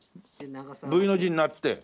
Ｖの字になって。